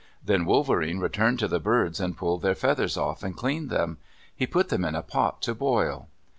Then Wolverene returned to the birds and pulled their feathers off and cleaned them. He put them in a pot to boil.